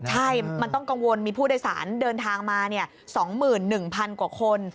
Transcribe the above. ใช่มันต้องกังวลมีผู้โดยสารเดินทางมา๒๑๐๐๐กว่าคน